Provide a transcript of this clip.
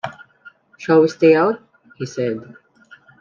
“Shall we stay out?” he said.